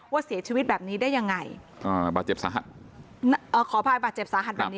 เสียชีวิตแบบนี้ได้ยังไงอ่าบาดเจ็บสาหัสเอ่อขออภัยบาดเจ็บสาหัสแบบนี้